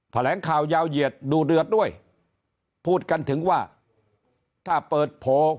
แถลงข่าวยาวเหยียดดูเดือดด้วยพูดกันถึงว่าถ้าเปิดโผล่